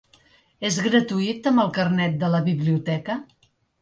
És gratuït amb el carnet de la biblioteca?